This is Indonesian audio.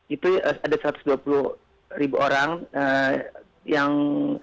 itu ada satu ratus dua puluh ribu orang yang